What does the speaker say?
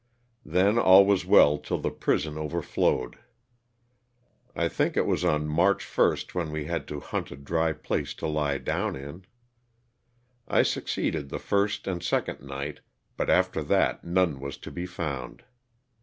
Then all was well till the prison over flowed. I think it was on March 1 when we had to hunt a dry place to lie down in. I succeeded the first and second night, but after that none was to be found.